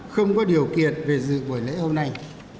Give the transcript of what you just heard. không có điều kiện về dự buổi lễ hôm nay